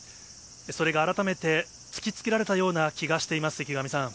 それが改めて突きつけられたような気がしています、池上さん。